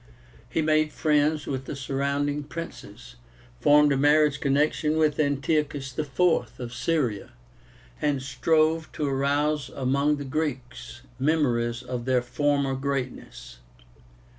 He made friends with the surrounding princes, formed a marriage connection with Antiochus IV. of Syria, and strove to arouse among the Greeks memories of their former greatness.